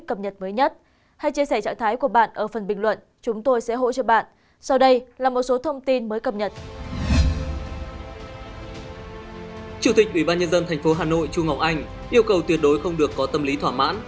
chủ tịch ủy ban nhân dân tp hà nội trung ngọc anh yêu cầu tuyệt đối không được có tâm lý thoả mãn